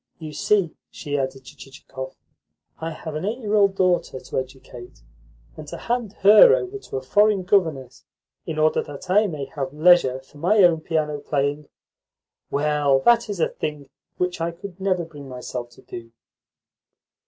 You see," she added to Chichikov, "I have an eight year old daughter to educate; and to hand her over to a foreign governess in order that I may have leisure for my own piano playing well, that is a thing which I could never bring myself to do."